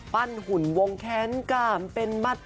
ปั้นหุ่นวงแขนกรรมเป็นหมัด